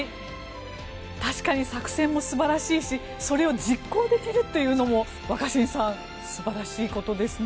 確かに作戦も素晴らしいしそれを実行できるっていうのも若新さん素晴らしいことですね。